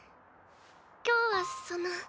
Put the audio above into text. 今日はその。